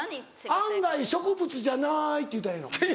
「案外植物じゃない」って言うたらええの？